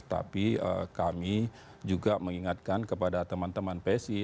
tapi kami juga mengingatkan kepada teman teman psi